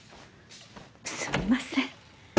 すみません。